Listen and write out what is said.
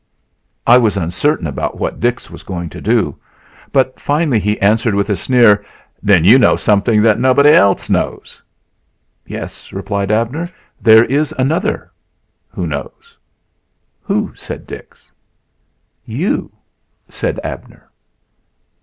I was uncertain about what Dix was going to do, but finally he answered with a sneer. "Then you know something that nobody else knows." "Yes," replied Abner, "there is another man who knows." "Who?" said Dix. "You," said Abner.